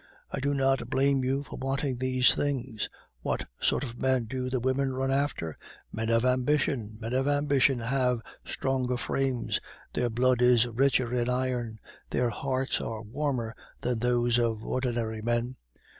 I do not blame you for wanting these things. What sort of men do the women run after? Men of ambition. Men of ambition have stronger frames, their blood is richer in iron, their hearts are warmer than those of ordinary men.